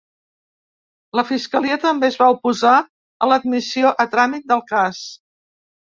La fiscalia també es va oposar a l’admissió a tràmit del cas.